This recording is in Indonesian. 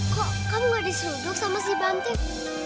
kok kamu tidak di suruh duduk sama si banteng